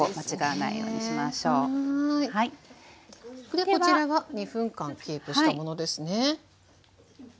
でこちらが２分間キープしたものですね。